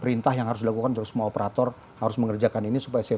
perintah yang harus dilakukan terus semua operator harus mengerjakan ini secara langsung